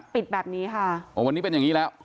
ปิดแบบนี้ค่ะโอ้วันนี้เป็นอย่างนี้แล้ว